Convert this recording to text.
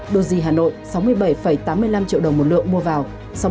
doji hà nội sáu mươi bảy tám mươi năm triệu đồng một lượng mua vào